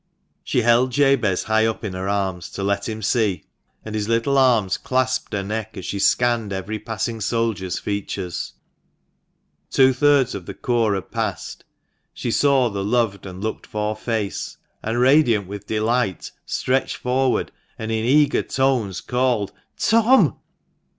She held Jabez high up in her arms to let him see, and his little arms clasped her neck, as she scanned every passing soldier's features. Two thirds of the corps had passed — she saw the loved and looked for face, and, radiant with delight, stretched forward, and in eager tones called —" Tom